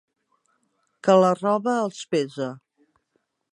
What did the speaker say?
Que la roba els pesa.